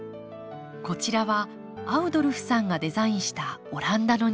こちらはアウドルフさんがデザインしたオランダの庭。